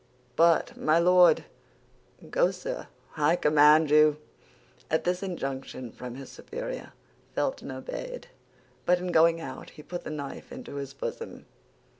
"But, my Lord—" "Go, sir, I command you!" At this injunction from his superior, Felton obeyed; but in going out, he put the knife into his bosom.